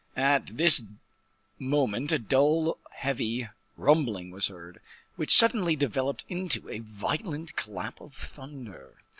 At this moment a dull, heavy rumbling was heard, which suddenly developed into a violent clap of thunder.